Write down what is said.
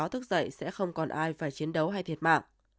khi đó thức dậy sẽ không còn ai phải chiến đấu hay thiệt mạng